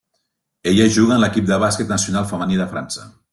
Ella juga en l'equip de bàsquet nacional femení de França.